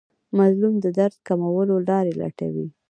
مظلوم د درد کمولو لارې لټوي.